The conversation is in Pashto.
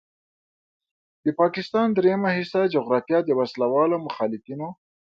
د پاکستان دریمه حصه جغرافیه د وسلوالو مخالفینو